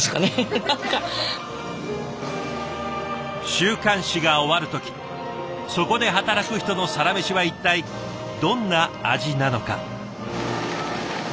週刊誌が終わる時そこで働く人のサラメシは一体どんな味なのか。